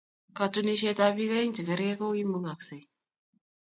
katuniesietab bik aeng chegergei ko imugasei?